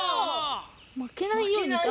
まけないようにか。